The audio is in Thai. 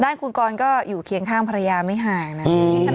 คุณกรก็อยู่เคียงข้างภรรยาไม่ห่างนะ